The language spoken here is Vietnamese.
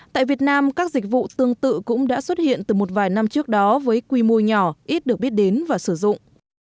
tại việt nam các dịch vụ tương tự cũng đã xuất hiện từ một vài năm trước đó với quy mô nhỏ ít được biết đến và sử dụng